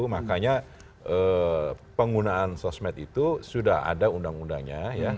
makanya penggunaan sosmed itu sudah ada undang undangnya